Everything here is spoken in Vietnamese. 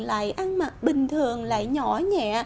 lại ăn mặc bình thường lại nhỏ nhẹ